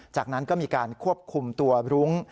จากนั้นก็มีการควบคุมตัวรุ้ง